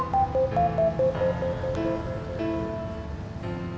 sampai jumpa di video selanjutnya